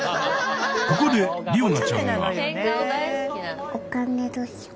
ここでりおなちゃんが。